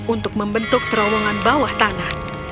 untuk membentuk terowongan bawah tanah